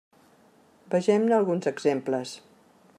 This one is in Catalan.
Vegem-ne alguns exemples.